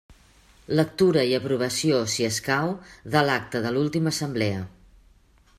Lectura i aprovació, si escau, de l'acta de l'última assemblea.